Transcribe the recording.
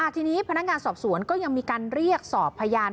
ทีนี้พนักงานสอบสวนก็ยังมีการเรียกสอบพยาน